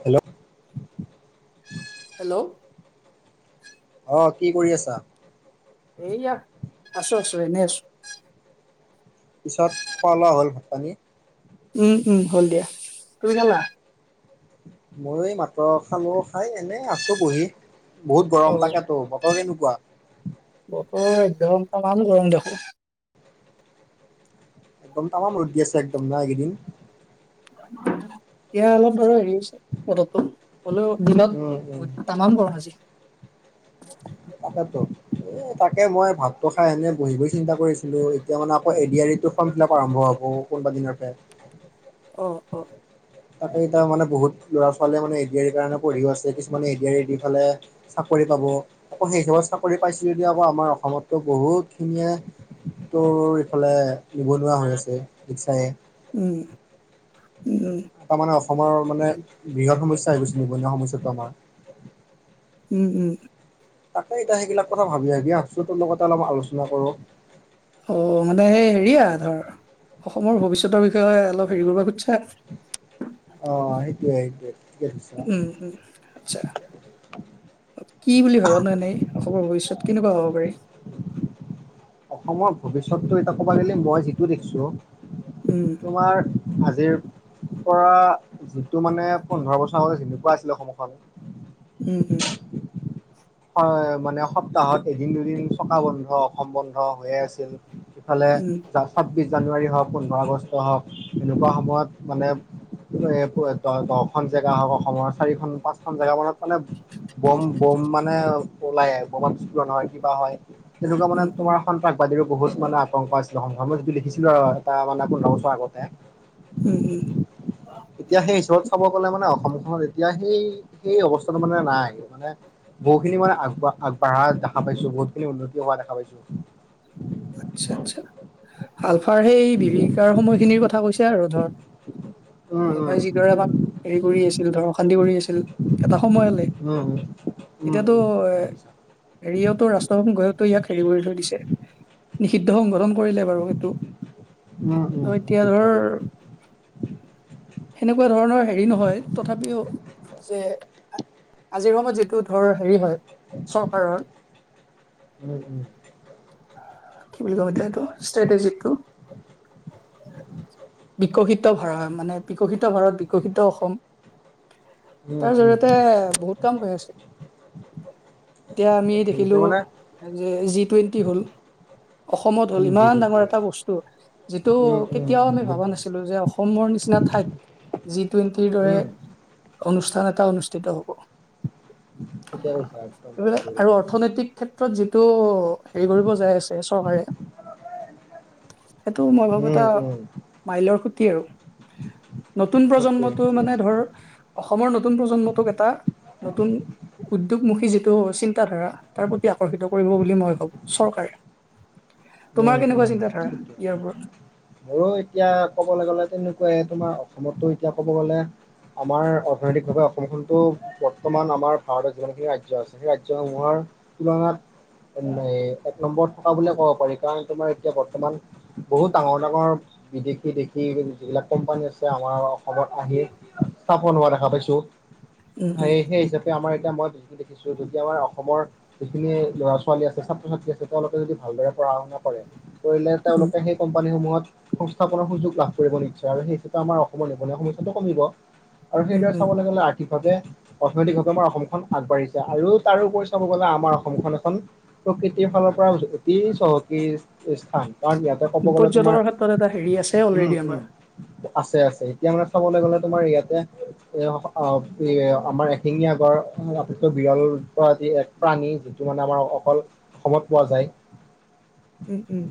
Hello hello অ কি কৰি আছা এইয়া আছো আছোঁ এনেই আছোঁ পিছত খোৱা লোৱা হ'ল ভাত পানী উম উম হল দিয়া তুমি খালা মই মাতৰ খালো খাই এনে আছো বহি বহুত অ গৰম তাকেতো বতৰকে নু কোৱা বতৰ এধ ঘন্টামান গৰম দেখোন- একদম তাম ৰোদ দিয় আছে একদম ন এইগেইদিন এতিয়া অলপ বাৰু হেৰি হৈছে পদতটো- হলেও উম উম দিনত তামাম গৰম আজি- তাকেতো এ তাকে মই ভাতটো খাই এনে বহি বহি চিন্তা কৰিছিলো এতিয়া মানে আকৌ এডতো আৰম্ভ হ'ব কোনোবা দিনৰ পৰা অ অ! তাকে এয়া মানে বহুত ল'ৰা ছোৱালীয়ে মানে এ ডি আৰ ই কাৰণে পঢ়িও আছে কিছুমানে A D A D R E দি থলে চাকৰী আকৌ সেই চাকৰি পাইছিলে দি আকৌ আমাৰ অসমতো বহুতখিনিয়ে তোৰ ইফালে নিবনুৱা হৈ আছে মিছাকে উম উম তাৰ মানে অসমৰ মানে বৃহৎ সমস্যা আহি গৈছে নিবনুৱা সমস্যাটো আমাৰ উম উম! তাকে এতিয়া সেইবিলাক কথা ভাবি ভাবি আছোতো লগতে অলপ আলোচনা কৰো। অ মানে সেই হেৰিয়া ধৰ অসমৰ ভৱিষ্যতৰ বিষয়ে অলপ হেৰি কৰিব খুজছে অ সেইটো এ সেইটো এ! উম উম আচ্ছা। কি বুলি ভাবা নহ এনেই অসমৰ ভৱিষ্যত কেনেকুৱা হ'ব পাৰি? অসমৰ ভৱিষ্যতটো এটা ক'ব গলে মই যিটো দেখিছো উম তোমাৰ আজিৰ পৰা যিটো মানে পোন্ধৰ বছৰ আগত যেনেকুৱা আছিলে অসমখন উম উম! মানে সপ্তাহত এদিন দুদিন চকা বন্ধ অসম বন্ধ হৈয়ে আছিল। ইফালে উম স্বাবিছ জানুৱাৰী হওক পোন্ধৰ আগষ্ট হওক এনেকুৱা সময়ত মানে দহখন জেগা হওক অসমৰ চাৰিখন পাঁচখন জেগা মানত মানে বম বম মাৰি ওলাই কৰবাত বিস্ফোৰণ হয় কিবা হয় তেনেকুৱা মানে উম উম তোমাৰ সন্ত্ৰাসবাদীৰ বহুত মানে আতংক আছিলে অসমত সেইবোৰ মানে দেখিছিলো আৰু এটা মানে পোন্ধৰ বছৰ আগতে। উম উম! এতিয়া সেই ওচৰত চাব গলে মানে অসমখনত এতিয়া সেই সেই অৱস্থাটো মানে নাই মানে। বহু খিনি মানে আগ আগবাঢ়া দেখা পাইছো বহুত খিনি উন্নতি হোৱা দেখা পাইছো। আচ্ছা আচ্ছা আলফাৰ সেই বিভিকাৰ সময়খিনিৰ উম উম ভালপাই যিদৰে আমাক হেৰি কৰি আছিল অশান্তি কৰি আছিল এটা সময়লে। উম উম উম এতিয়াতো হেৰিতো ৰাষ্ট্ৰভূম গয়ো ইয়াক হেৰি কৰি থৈ দিছে। নিষিদ্ধ সংগঠন কৰিলে বাৰু উম উম উম সেইটোত এতিয়া সিদ্ধ ধৰ কৰিলো সেনেকুৱা ধৰণৰ হেৰি নহয় তথাপিও যে আজিৰ সময়ত যিটো ধৰ হেৰি হয় চৰকাৰৰ উম উম কি বুলি কম এতিয়া এইটো ষ্ট্ৰেটইজিকটো বিকশিত ভাৰ মানে বিকশিত ভাৰত বিকশিত অসম উম তাৰ উম জৰিয়তে উম বহুত কাম কৰি আছো। এতিয়া আমি এতিয়া দেখিলো মানে যে জি টুৱেণ্টি হ'ল হয়। অসমত হ'ল ইমান ডাঙৰ এটা বস্তু যিটো উম উম কেতিয়াও উম আমি বহুত ভবা ডাঙৰ নাছিলো যে অসমৰ নিচিনা ঠাইত জি টুৱেণ্টিৰ দৰে উম অনুষ্ঠান এটা অনুষ্ঠিত হ'ব। ঠিকেই কৈছা একদম। টো হেৰি কৰিব যায় চৰকাৰে সেইটো মই ভাবো এটা মাইলৰ খুঁতি আৰু। উ নতুন প্ৰজন্মটো মানে ধৰ অসমৰ নতুন প্ৰজন্মটোক এটা নতুন উদ্যোগমুখী যিটো চিন্তাধাৰা তাৰ প্ৰতি আকৰ্ষিত কৰিব বুলি মই ভাবো চৰকাৰে তোমাৰ উম উম কেনেকুৱা চিন্তাধাৰা ইয়াৰ ওপৰত মোৰো এতিয়া কবলৈ গ'লে তেনেকুৱাই তোমাৰ অসমতো এতিয়া ক'ব গ'লে আমাৰ অৰ্থনৈতিকভাৱে অসমখনতো বৰ্তমান আমাৰ ভাৰতত যিমানখিনি ৰাজ্য আছে সেই ৰাজ্যসমূহৰ তুলনাত এক নম্বৰত থকা বুলিয়ে ক'ব পাৰি কাৰণ তোমাৰ এতিয়া বৰ্তমান বহুত ডাঙৰ ডাঙৰ বিদেশী দেশী যিবিলাক কোম্পানী আছে আমাৰ অসমত আহি স্থাপন হোৱা দেখা পাইছো উম উম সেই হিচাপে আমাৰ এতিয়া মই যখিনি দেখিছো যদি আমাৰ অসমৰ যিখিনি ল'ৰা ছোৱালী আছে ছাত্ৰ ছাত্ৰী আছে তেওঁলোকে যদি ভালদৰে পঢ়া শুনা কৰিলে তেওঁলোকে সেই কোম্পানীসমূহত সংস্থাপনৰ সুযোগ লাভ কৰিব নিশ্চয় আৰু সেইটোত আমাৰ অসমৰ নিবনুৱা সমস্যাটো কমিব আৰু উম সেইদৰে উম চাবলৈ গ'লে কিভাৱে অৰ্থনৈতিকভাৱে আমাৰ অসমখন আগবাঢ়িছে আৰু তাৰোপৰি চাব গ'লে আমাৰ অসমখন এখন প্ৰকৃতিৰ ফালৰ পৰা অতি চহকী স্থান। কাৰণ ইয়াতে ক'ব উম গ'লে তোমাৰ পৰ্যটনৰ ক্ষেত্ৰত এটা হেৰি আছে অলৰেডি আমাৰ আছে আছে এতিয়া মানে চবলৈ গ'লে তোমাৰ ইয়াতে এ আমাৰ এশিঙীয়া গড়। আটাইতকৈ বিৰল প্ৰজাতি প্ৰাণী যিটো মানে আমাৰ অকল অসমত পোৱা যায় উম, উম,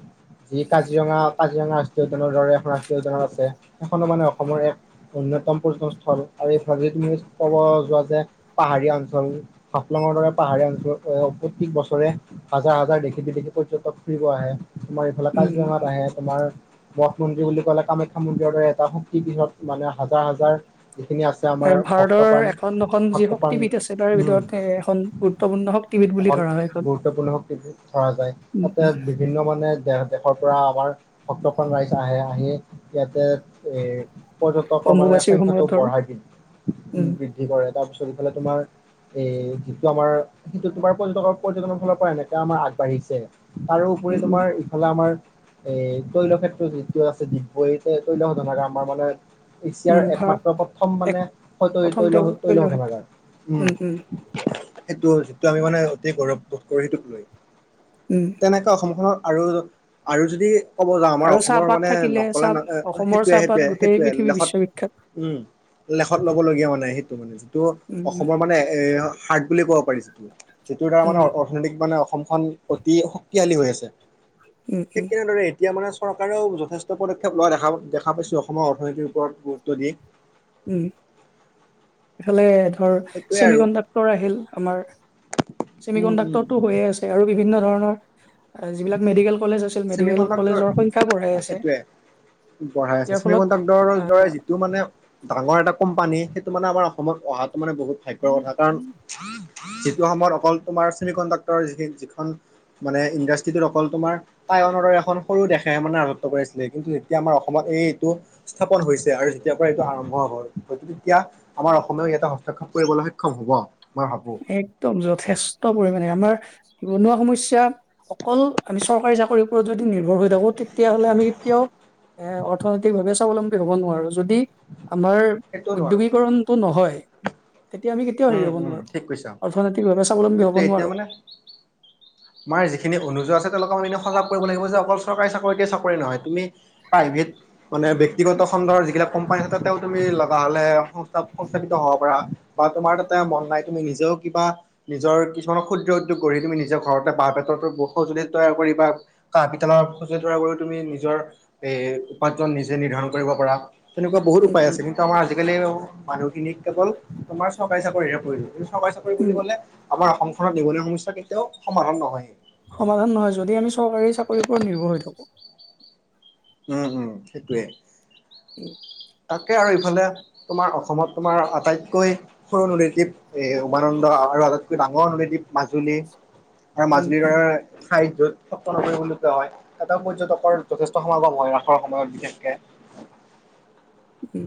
জি কাজিৰঙা হাজঙা ৰাষ্ট্ৰীয় উদ্যানৰ দৰে এখন ৰাষ্ট্ৰীয় উদ্যানৰ আছে সেইখনো মানে অসমৰ এক অন্যতম পৰ্যন সল আৰু এইফ যি ক'ব যোৱা যে পাহাৰীয়া অঞ্চল হাফলাঙৰ দৰে পাহাৰীয়া অঞ্চলুত প্ৰত্যেক বছৰে হাজাৰ হাজাৰ দেশী বিদেশী পৰ্য তিব আহে তোমাৰ এইফালে উম, কাজিৰঙাত আহে তোমাৰ মঠ মন্দিৰ বুলি কলে কামাখ্যা মন্দিৰৰ দৰে এটা শক্তি পীঠত মানে হাজাৰ হাজাৰ যিখিনি আছে এই আমাৰ ভাৰতৰ ভক্তপ্ৰাণ এখন এখন যি ভক্তপ্ৰাণ শক্তিপীঠ আছে তাৰে উম ভিতৰত এ এখন গুৰুত্বপূৰ্ণ শক্তিপীঠ বুলি এখন ধৰা হয় এইখন। গুৰুত্বপূৰ্ণ শক্তি ধৰা যায় উম, তাতে উম, বিভিন্ন মানে দেহ দেশৰ পৰা আমাৰ সত্তখন ৰাইজ আহে আহি ইয়াতে এ পৰ্যটকৰ মানে অম্বুবাচীৰ সময়ত সংখ্যাটো ধৰ বঢ়াই দিয়ে উ উম, বৃদ্ধি কৰে তাৰপিছত ইফালে তোমাৰ এ যিটো আমাৰ সেইটো তোমাৰ পৰ্যটকৰ পৰ্যটনৰ ফালৰ পৰা এনেকাঁ আমাৰ আগবাঢ়িছে তাৰোপৰি উম, উম, তোমাৰ ইফালে আমাৰ এই তৈল ক্ষেত্ৰত যিটো আছে ডিগবৈ তৈল সনেকে আমাৰ মানে উম, এছিয়াৰ ভাৰত একমাত্ৰ প্ৰথম এক মানে হয়ত প্ৰথম তৈল তেল তৈল হব ক্ষেত্ৰ নগৰ। উম সেইটো যিটো আমি মানে অতি গৌৰৱ বোধ কৰোঁ সেইটোক লৈ উম তেনেকৈ অসমখনত আৰু আৰু যদি ক'ব যাওঁ আমাৰ আৰু অসমৰ চাহপাত মানে থাকিলে নকলে চাহ ন অসমৰ সেইটোৱে চাহপাত সেইটোৱে গোটেই সেইটোৱে পৃথিৱী লেখত বিশ্ববিখ্যাত। উম লেখত লব লগীয়া মানে সেইটো মানে যিটো উম, অসমৰ মানে এ হাৰ্ট বুলি ক'ব পাৰি যিটো। যিটোৰ দ্বাৰা মানে উম, অৰ্থনৈতিক মানে অসমখন অতি শক্তিশালী হৈ আছে উম, উম, ঠিক তেনেদৰে এতিয়া মানে চৰকাৰেও যথেষ্ট পদক্ষেপ লোৱা দেখা দেখা পাইছো অসমৰ অৰ্থনীতিৰ ওপৰত গুৰুত্ব দি উম এফালে ধৰ সেইটোৱে ছেমি আৰু কণ্ডাক্টৰ আহিল আমাৰ উম উম ছেমিকনডাক্টৰটো হৈ আছে আৰু বিভিন্ন ধৰণৰ যিবিলাক মেডিকেল কলেজ আছিল মেডিকেল কণ্ডাক্টৰ কলেজৰ সংখ্যা বঢ়াই আছে সেইটোৱে বঢ়াই আছে ইয়াৰ ছেমি ফলত কণ্ডাক্টৰৰ দৰে যিটো মানে ডাঙৰ এটা কোম্পানী সেইটো মানে আমাৰ অসমত অহাটো মানে বহুত ভাগ্যৰ কথা কাৰণ যিটো সময়ত অকল তোমাৰ চেমি কণ্ডাক্টৰ য যিখন মানে ইণ্ডাষ্ট্ৰিকেল অকল তোমাৰ টাইৱানৰ দৰে এখন সৰু দেশে মানে ৰাজত্ব কৰাইছিলে কিন্তু এতিয়া আমাৰ অসমত এইটো স্থাপন হৈছে। আৰু তেতিয়াৰ পৰা এইটো আৰম্ভ হল হয় তেতিয়া আমাৰ অসমেও ইয়াটা হস্তক্ষেপ কৰিবলৈ সক্ষম হ'ব মই ভাবো একদম যথেষ্ট পৰিমাণে আমাৰ নিবনুৱা সমস্যা অকল আমি চৰকাৰী চাকৰি ওপৰত যদি নিৰ্ভৰ হৈ থাকো তেতিয়াহ'লে আমি কেতিয়াও এ অৰ্থনৈতিকভাৱে স্বাৱলম্বী হ'ব নোৱাৰো। যদি আমাৰ সেইটোও নোৱাৰো উদ্যোগীকৰণটো নহয় তেতিয়া আমি কেতিয়াও হেৰি হব নোৱাৰো। অৰ্থনৈতিক ব্যৱস্থা। সেইটোে এতিয়া মানে আমাৰ যিখিনি অনুযোগ আছে তেওঁলোকৰ কৰিব লিব যে অকল চৰকাৰী চাকৰিকে চাকৰি নহয় তুমি প্ৰাইভেট মানে ব্যক্তিগতখণ্ডৰ যিবিলাক কোম্পানী হত তুমি লগা হলে সংস্থাপিত হব পাৰা বা তোমাৰ তাতে মন নাই তুমি নিজে কিবা নিজৰ কিছুমানৰ ক্ষুদ্ৰ উদ্যোগ গঢ়ি তুমি নিজৰ ঘৰত বাঁহ বেতৰো ব সঁজুলি তৈয়াৰ কৰিবা কাঁহ পিতলৰ সঁজুলি তৈয়াৰ কৰি তুমি নিজৰ এ উপাৰ্জন নিজে নিৰ্ধাৰণ কৰিব পৰা তেনেকুৱা বহুত উম উপায় আছে উম কিন্তু আমাৰ আজিকালি মানুহ ইনিক কেৱল তোমাৰ চৰকাৰী চাকৰি পৰি কিন্তু চৰকাৰী চাকৰি উম বুলি কলে আমাৰ অসম নিবনুৱা সমস্যা কেতিয়াও সমাধান নহয়। সমাধান নহয় যদি আমি চৰকাৰী চাকৰিৰ ওৰত নিৰ্ভৰ হৈ থাকো। উম উম সেইটোৱে উম তাকে আৰু ইফালে তোমাৰ অসমত তোমাৰ আটাইতকৈ সৰুণ নীতি [unintelligible] এ উমানন্দ আৰু আটাইতকৈ ডাঙৰ নদীদ্বীপ মাজুলী আৰু উম মাজুলীৰ উম দাৰ সাহিত্যত সত্ৰ নগৰী বুলি কোৱা হয় তাত পৰ্যটকৰ যথেষ্ট সমাগম হয় ৰাসৰ সময়ত বিশেষকে [unintelligible] উম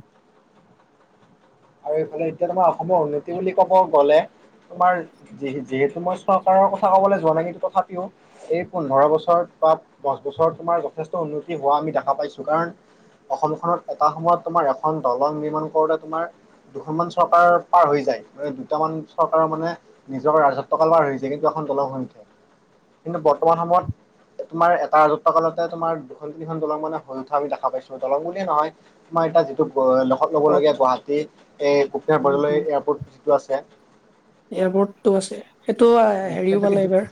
আৰু এইফালে এতিয়া তোমাৰ অসমৰ উন্নতি বুলি কব গ'লে। তোমাৰ যি যিহেতু মই চৰকাৰৰ কথা কবলৈ যোৱা নাই কিন্তু তথাপিও এই পোন্ধৰ বছৰত বা দছ বছৰত তোমাৰ যথেষ্ট উন্নতি হোৱা আমি দেখা পাইছো। কাৰণ অসমখনত এটা সময়ত তোমাৰ এখন দলং নিৰ্মাণ কৰোতে তোমাৰ দুখনমান চৰকাৰ পাৰ হৈ যায় মানে দুটামান চৰকাৰ মানে নিজৰ ৰাজত্বকাল পাৰ হৈ যায়। এখন দলৰ সংখ্যে কিন্তু বৰ্তমান সময়ত তোমাৰ এটা ৰাজত্ব কালতে তোমাৰ দুখন তিনিখন দলং মানে হৈ উঠা আমি দেখা পাইছো দলং বুলিয়ে নহয় তোমাৰ এতিয়া যিটো লখত অ ল'বলগীয়া গুৱাহাটীত। এই Gopinath um Bordoloi um airport যিটো আছে টো হেৰিও সেইটো পালে কিন্তু এইবাৰ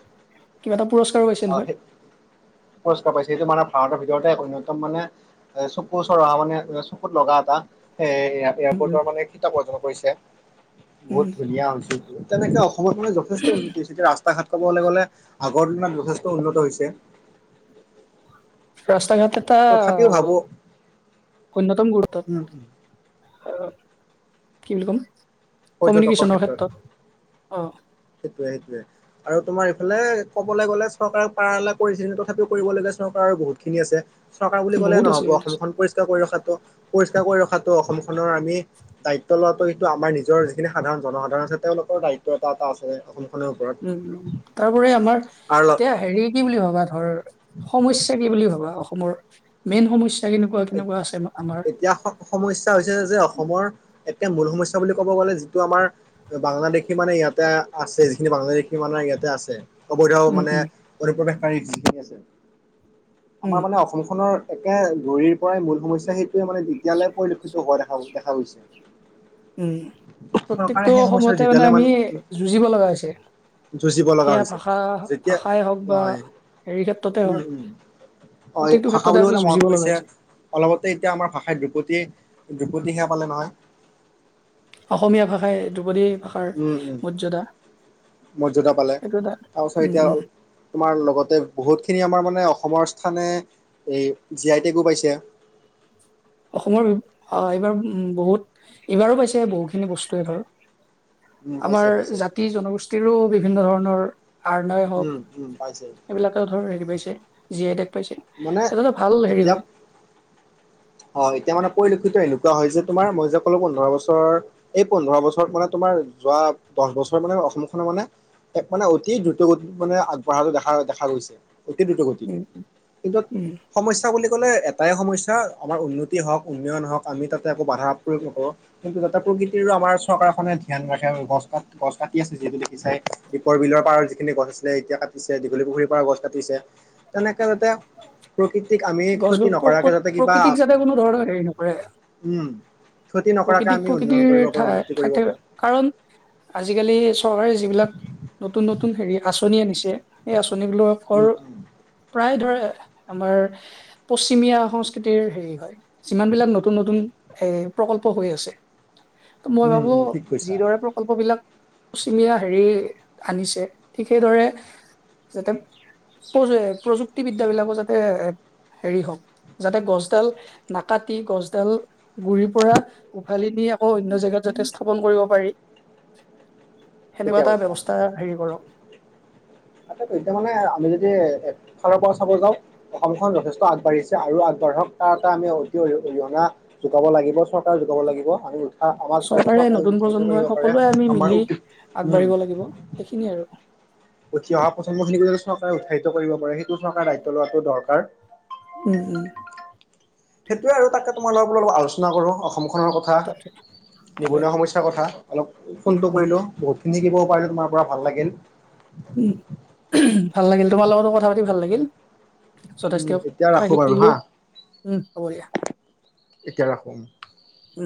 কিবা এটা প অ সেই পুৰস্কাৰ পাইছে সেইটো মানে ভাৰতৰ ভিতৰতে এক অন্যতম মানে এ চকু চৰহা অহা মানে চকুত লগা এটা সেই এয়াৰ এয়াৰপৰ্ট ৰ মানে কিতাপ অৰ্জন কৰিছে উম বহুত ধুনীয়া অঞ্চলটো তেনেকে অসমত মানে যথেষ্ট উন্নতি হৈছে এতিয়া ৰাস ৰাস্তা ঘাট কবলৈ গ'লে আগৰ দিনৰ যথেষ্ট উন্নত হৈছে ৰাস্তা ঘাট এটা তথাপিও ভাবো অন্যতম গুৰুতত উম আহ কি বুলি কম। পৰ্যটকৰ কমিউনিকেশ্যনৰ ক্ষেত্ৰত অ সেইটোয়ে সেইটোয়ে আৰু তোমাৰ এইফালে কবলৈ গলে চৰকাৰে পাৰালা কৰিছিল টো তথাপিও কৰিব লাগে চৰকাৰ বহুত খিনি আছে চৰকাৰ বুলি ক'লে বহুত আছে নহ'ব বহুত আছে অসমখন পৰিষ্কাৰ কৰি ৰখাটো পৰিষ্কাৰ কৰি ৰখাতটো অসম নৰ আমি দায়িত্ব লোৱাটো সেইটো আমাৰ নিজৰ যিখিনি সাধাৰণ জনসাধাৰণ আছে তেওঁলোকৰ দায়িত্ব এটা এটা আছে আ তাৰ উপৰি আমাৰ আৰু এতিয়া হেৰি কি বুলি ভবা ধৰ সমস্যা কি বুলি ভাবা অসমৰ মেইন সমস্যা কেনেকুৱা কেনেকুৱা আছে আমা- আমাৰ এতিয়া সমস্যা হৈছে যে অসমৰ এতিয়া মূল সমস্যা ক'ব গ'লে যিটো আমাৰ বাংলাদেশী মানে ইয়াতে আছে যিখিনি বাংলাদেশী মানে ইয়াতে আছে অবৈধ উম, মানে উম, অনুপ্ৰৱেশকাৰী যিনি আছে আমাৰ উম, মানে অসমখনৰ একে গুৰিৰ পৰাই মূল সমস্যা সেইটোৱে মানে তেতিয়ালৈ পৰিলক্ষিত হোৱা দেখা দেখা গৈছে উম চৰকাৰে প্ৰত্যেকটো সেই সমস্যাটো সময়তে মানে যেতিয়ালৈ মান আমি যুঁজিব লগা হৈছে যুঁজিব লগা সেয়া হৈছে ভাষা যেতিয়া, ভাষাই হওক বা হয়, হেৰি ক্ষেত্ৰতে উম হওক উম। অ প্ৰত্যেকটো ভাষা ক্ষেত্ৰতে আমি বুলিও মনত যুঁজিব লগা পৰিছে, হৈছে অলপতে এতিয়া আমাৰ ভাষাই ধ্ৰুপতী ধ্ৰুপতী সেয়া পালে নহয়। অসমীয়া ভাষাই ধ্ৰুপদী ভাষাৰ উম উম মৰ্যদা। মৰ্যদা পালে সেইটো এটা তাপাছত উম, এতিয়া উম, তোমাৰ লগতে বহুতখিনি আমাৰ মানে অসমৰ স্থানে এই জি আই টে গো পাইছে অসমৰ অ এইবাৰ উ বহুত এইবাৰো পাইছে বহুতখিনি বস্তুেৱে ধৰ উম পাইছে আমাৰ পাইছে জাতি জনগোষ্ঠীৰো বিভিন্ন ধৰণৰ আৰ্নয় হওক উম উম পাইছে এইবিলাকে ধৰ হেৰি পাইছে জি আই টেগ পাইছে মানে এটা এটা ভাল হেৰি এতিয়া হয়। হয় এতিয়া মানে পৰিলক্ষিত হে কোৱা হয় যে তোমাৰ মই যে ক'লো পোন্ধৰ বছৰ এই পোন্ধৰ বছৰত মানে তোমাৰ যোৱা দহ বছৰ মানে অসম খনৰ মানে এক মানে অতি দ্ৰুতগতি মানে আগবঢ়াটো দেখা দেখা গৈছে। অতি দ্ৰুত গতিত, উম কিন্তু উম সমস্যা বুলি ক'লে এটাই সমস্যা আমাৰ উন্নতি হওক উন্নয়ন হওক আমি তাতে একো বাধা প্ৰয়োগ নকৰো কিন্তু যাতে প্ৰকৃতিৰো আমাৰ চৰকাৰখনে ধ্যান ৰাখে গছ গছ কাটি আছে যিহেতু দেখিছোই দীপৰ বিলৰ পাৰ যিখিনি গছ আছিলে এতিয়া কাটিছে পুখুৰী পাৰৰ গছ কাটিছে, তেনেকে তাতে প্ৰকৃতিক আমি গছ ক্ষতি গছ কৰি নকৰাকে প্ৰকত যাতে কিবা প্ৰকৃতিক যাতে কোনো ধৰণৰ হেৰি নকৰে উম ক্ষতি নকৰাকে প্ৰকৃতিক আমি উন্নয়ন প্ৰকৃতিৰ কৰিব পাৰো উন্নতি কৰিব ঠাইত পাৰো থাক কাৰণ আজিকালি চৰকাৰে যিবিলাক নতুন নতুন হেৰি আঁচনি আনিছে সেই আঁচন উম বিলাকৰ উম প্ৰায় ধৰে আমাৰ পশ্চিমীয়া সংস্কৃতিৰ হেৰি হয় যিমানবিলাক নতুন নতুন এ প্ৰকল্প হৈ আছে ত মই উম ভাবো উম ঠিক কৈছা যিদৰে প্ৰকল্প বিলাক পশ্চিমীয়া হেৰি আনিছে ঠিক সেইদৰে যাতে প্ৰ প্ৰযুক্তিবিদ্যা বিলাকো যাতে হেৰি হওক যাতে গছডাল নাকাটি গছডাল গুৰি পৰা উভালি নি আকৌ অন্য জেগাত যাতে স্থাপন কৰিব পাৰি ঠিকে সেনেকুৱা এটা ব্যৱস্থা হেৰি কৰক। ত এতিয়া মানে আমি যদি একফালৰ পৰা চাব যাওঁ অসমখন যথেষ্ট আগবাঢ়িছে আৰু ধক তাৰ এটা আমি অতি অৰিহণা যোগাব লাগিব চৰকাৰে যোগাব লাগিব আমি উ সমাজ চৰকাৰে নতুন উৎসাহিত প্ৰজন্মই কৰিব পাৰে সকলোৱে আমি আমাৰ মিলি উম আগবাঢ়িব লাগিব সেইখিনিয়ে আৰু উঠি অহা প্ৰজন্মখিনিক যতে চৰকাৰে উৎসাহিত কৰিব পাৰে সেইটো চৰকাৰে দায়িত্ব লোৱাটো দৰকাৰ। উম উম। সেইটোয়ে আৰু তাকে তোমাৰ লগত অলপ আলোচনা কৰো। অসমখনৰ কথা তাকে তাকে নিবনুৱা সমস্যাৰ কথা অলপ উম ফোনটো উম কৰিলোঁ বহুত চিনিকিবও পাৰিলোঁ তোমাৰ ভাল লাগিল। উ ভাল লাগিল তোমাৰ লগতো কথা পাতি ভাল লাগিল। যথেষ্ট উম এতিয়া কথা ৰাখো বাৰু শিকিলো হা। উম হ'ব দিয়া এতিয়া ৰাখো। উম